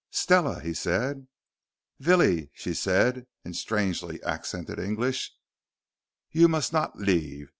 "Stella!" he said. "Villie," she said in strangely accented English, "you must not leave.